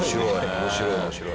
面白い面白い。